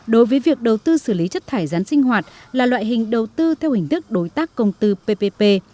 đối với việc đầu tư xử lý chất thải rán sinh hoạt là loại hình đầu tư theo hình thức đối tác công tư ppp